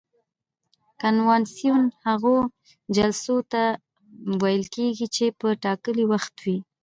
کنوانسیون هغو جلسو ته ویل کیږي چې په ټاکلي وخت وي.